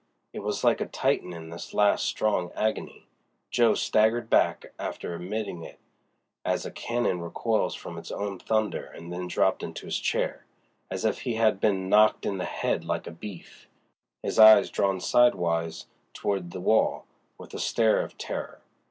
It was like a Titan in his last, strong agony. Jo. staggered back after emitting it, as a cannon recoils from its own thunder, and then dropped into his chair, as if he had been "knocked in the head" like a beef—his eyes drawn sidewise toward the wall, with a stare of terror.